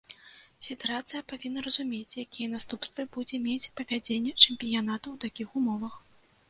Федэрацыя павінна разумець, якія наступствы будзе мець правядзенне чэмпіянату ў такіх умовах.